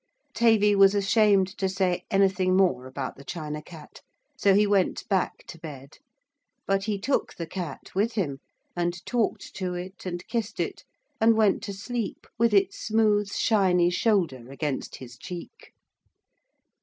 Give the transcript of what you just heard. Tavy was ashamed to say anything more about the China Cat, so he went back to bed. But he took the Cat with him, and talked to it and kissed it, and went to sleep with its smooth shiny shoulder against his cheek.